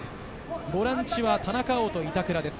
ボランチは田中碧と板倉です。